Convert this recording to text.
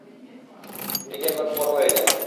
তার নিজের ঘর পর হয়ে যায়।